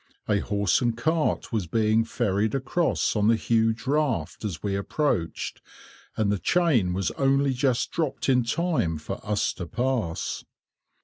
A horse and cart was being ferried across on the huge raft as we approached, and the chain was only just dropped in time for us to pass.